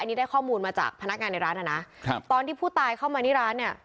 อันนี้ได้ข้อมูลมาจากพนักงานในร้านนะครับตอนที่ผู้ตายเข้ามาที่ร้านเนี่ย